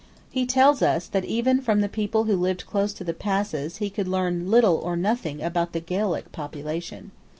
He tells us that even from the people who lived close to the passes he could learn little or nothing about the Gaelic population.